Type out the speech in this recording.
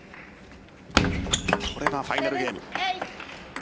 これがファイナルゲーム。